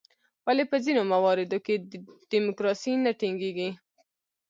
ولې په ځینو مواردو کې ډیموکراسي نه ټینګیږي؟